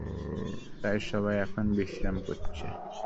তাই সবাই এখন বিশ্রাম করছে।